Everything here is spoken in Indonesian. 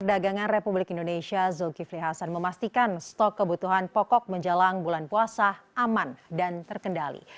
perdagangan republik indonesia zulkifli hasan memastikan stok kebutuhan pokok menjelang bulan puasa aman dan terkendali